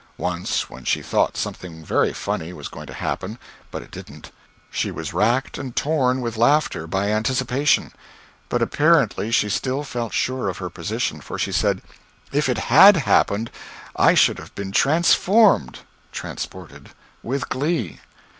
Once when she thought something very funny was going to happen (but it didn't), she was racked and torn with laughter, by anticipation. But, apparently, she still felt sure of her position, for she said, "If it had happened, I should have been transformed [transported] with glee."